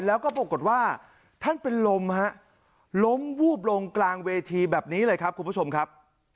แล้วก็ปรากฏว่าท่านเป็นลมฮะล้มวูบลงกลางเวทีแบบนี้เลยครับคุณผู้ชมครับ